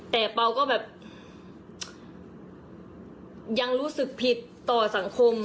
แต่เปล่าก็แบบยังรู้สึกผิดต่อสังคม